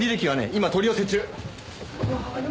今取り寄せ中！